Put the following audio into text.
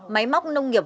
máy móc nông nghiệp